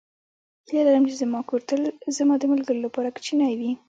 هیله لرم چې زما کور تل زما د ملګرو لپاره کوچنی وي.